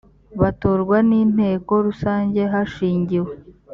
batorwa n inteko rusange hashingiwe